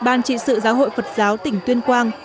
ban trị sự giáo hội phật giáo tỉnh tuyên quang